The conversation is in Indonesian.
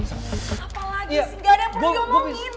apa lagi sih gak ada yang perlu diomongin